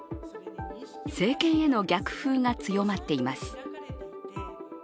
政権への逆風が強まっています。